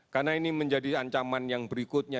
karena ini menjadi ancaman yang berikutnya